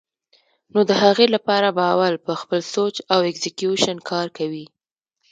نو د هغې له پاره به اول پۀ خپل سوچ او اېکزیکيوشن کار کوي